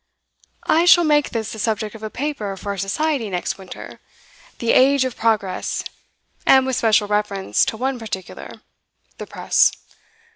'I shall make this the subject of a paper for our Society next winter the Age of Progress. And with special reference to one particular the Press.